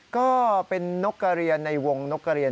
ก็เป็นนกกระเรียนในวงนกกระเรียน